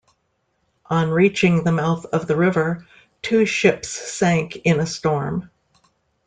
On reaching the mouth of the river, two ships sank in a storm.